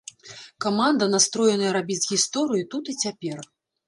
Каманда настроеная рабіць гісторыю тут і цяпер.